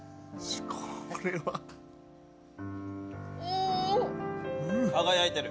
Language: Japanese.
これは。輝いてる。